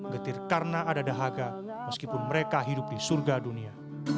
getir karena ada dahaga meskipun mereka hidup di surga dunia